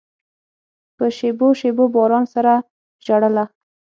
په شېبو، شېبو باران سره ژړله